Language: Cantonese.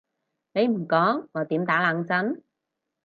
你唔講我點打冷震？